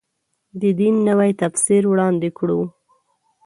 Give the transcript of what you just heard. د دین نوی تفسیر وړاندې کړو.